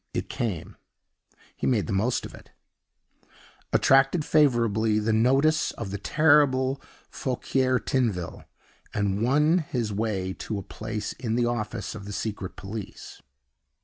It came; he made the most of it; attracted favorably the notice of the terrible Fouquier Tinville; and won his way to a place in the office of the Secret Police.